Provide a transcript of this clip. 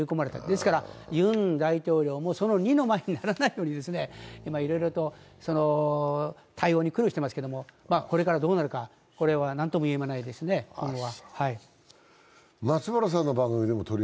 ですから、ユン大統領もその二の舞にならないように、いろいろと対応に苦慮していますけれども、これからどうなるか、これは何とも言えないですね、今後は。